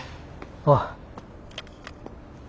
ああ。